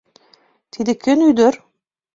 Тиде кӧн ӱдыр?